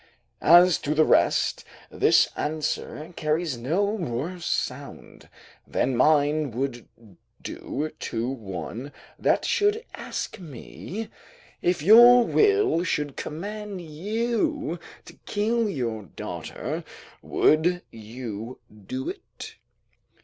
As to the rest, this answer carries no worse sound, than mine would do to one that should ask me: "If your will should command you to kill your daughter, would you do it?"